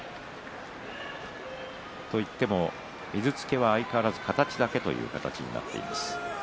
といっても水つけは相変わらず形だけということになっています。